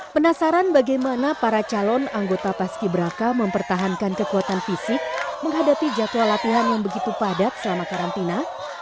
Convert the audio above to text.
penasaran bagaimana para calon anggota paski beraka mempertahankan kekuatan fisik menghadapi jadwal latihan yang begitu padat selama karantina